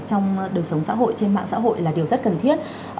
trong đời sống xã hội trên mạng xã hội là điều rất cần thiết